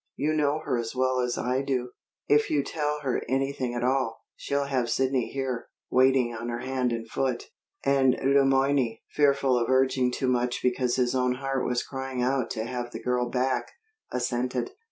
You know her as well as I do. If you tell her anything at all, she'll have Sidney here, waiting on her hand and foot." And Le Moyne, fearful of urging too much because his own heart was crying out to have the girl back, assented.